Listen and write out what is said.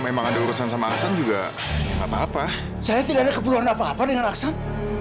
memang ada urusan sama aksan juga nggak apa apa saya tidak ada keperluan apa apa dengan aksan